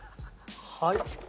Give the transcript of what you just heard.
はい。